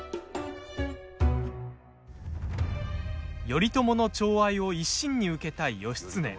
頼朝のちょう愛を一身に受けたい義経。